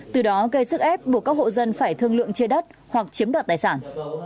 từ đó gây sức ép buộc các hộ dân phải thương lượng chia đất hoặc chiếm đoạt tài sản